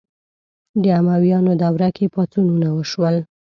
د امویانو دوره کې پاڅونونه وشول